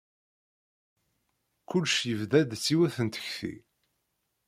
Kullec yebda-d s yiwet n tekti.